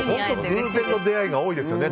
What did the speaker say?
偶然の出会いが多いですよね